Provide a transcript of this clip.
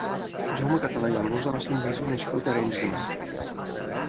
Jaume Català i Albosa va ser un bisbe nascut a Arenys de Mar.